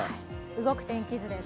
動く天気図です。